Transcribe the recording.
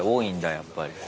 やっぱり。